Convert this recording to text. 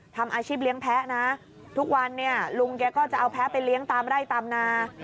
ทำอาชีพเลี้ยงแพ้นะทุกวันเนี่ยลุงแกก็จะเอาแพ้ไปเลี้ยงตามไร่ตามนา